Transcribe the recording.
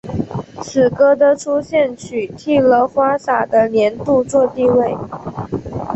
此歌的出现取替了花洒的年度作地位。